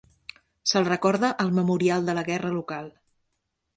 Se'l recorda al memorial de la guerra local.